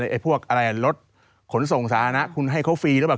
ไอ้พวกรถขนส่งสารณะคุณให้เขาฟรีแล้วแบบ